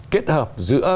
kết hợp giữa